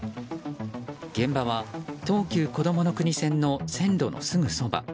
現場は東急こどもの国線の線路のすぐそば。